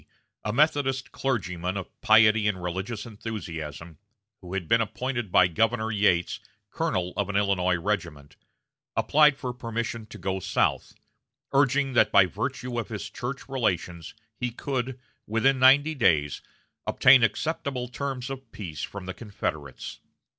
a Methodist clergyman of piety and religious enthusiasm, who had been appointed by Governor Yates colonel of an Illinois regiment, applied for permission to go South, urging that by virtue of his church relations he could, within ninety days, obtain acceptable terms of peace from the Confederates.